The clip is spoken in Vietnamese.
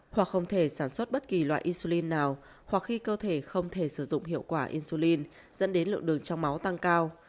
hoặc không thể sản xuất bất kỳ loại isulin nào hoặc khi cơ thể không thể sử dụng hiệu quả insulin dẫn đến lượng đường trong máu tăng cao